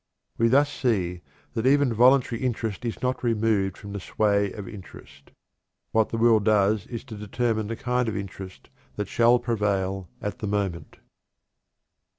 We thus see that even voluntary interest is not removed from the sway of interest. What the will does is to determine the kind of interest that shall prevail at the moment."